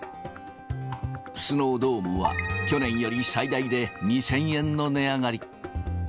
スノードームは、去年より最大で２０００円の値上がり。